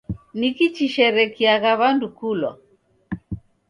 Niki chishekeriagha w'andu kulwa?